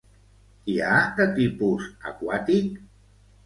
Hi ha de tipus aquàtic?